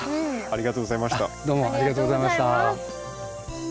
ありがとうございます。